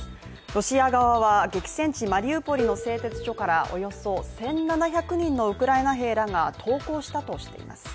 ロシア側は激戦地マリウポリの製鉄所からおよそ１７００人のウクライナ兵らが投降したとしています